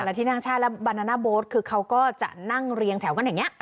และที่นั่งใช่แล้วบานาน่าโบ๊ทคือเขาก็จะนั่งเรียงแถวกันอย่างนี้